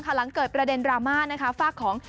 หลังเกิดประเด็นรามะฟากของ